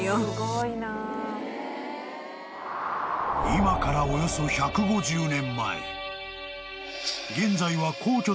［今からおよそ１５０年前］